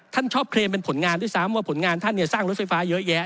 ท่านชอบเคลมเป็นผลงานด้วยซ้ำว่าผลงานท่านเนี่ยสร้างรถไฟฟ้าเยอะแยะ